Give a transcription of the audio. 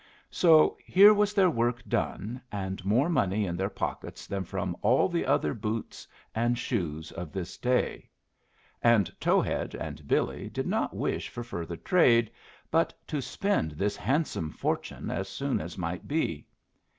So here was their work done, and more money in their pockets than from all the other boots and shoes of this day; and Towhead and Billy did not wish for further trade, but to spend this handsome fortune as soon as might be.